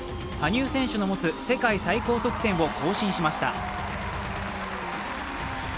羽生選手の持つ世界最高得点を更新しました。